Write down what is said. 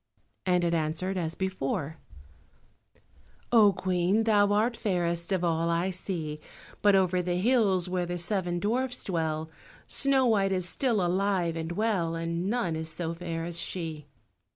and it answered as before— "Oh, Queen, thou art fairest of all I see, But over the hills, where the seven dwarfs dwell, Snow white is still alive and well, And none is so fair as she."